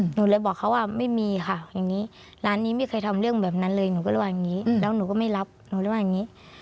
หนูเลยบอกเขาว่าไม่มีค่ะอย่างนี้ร้านนี้ไม่เคยทำเรื่องแบบนั้นเลยหนูก็เลยว่าอย่างนี้แล้วหนูก็ไม่รับหนูเลยว่าอย่างนี้